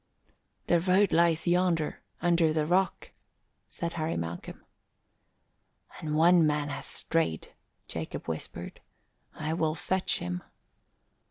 "The road lies yonder under the rock," said Harry Malcolm. "And one man has strayed," Jacob whispered. "I will fetch him."